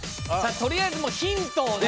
とりあえずヒントをね